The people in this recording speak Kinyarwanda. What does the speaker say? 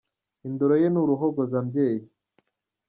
Indoro ye ni uruhogozambyeyi